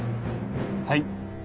はい。